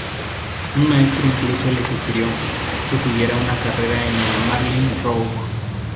Un maestro incluso le sugirió que siguiera una carrera en el Marlin Rouge.